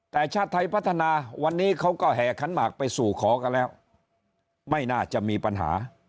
แต่ชาติไทยพัฒนาวันนี้เขาก็แห่ขันหมากไปสู่ขอกันแล้วไม่น่าจะมีปัญหา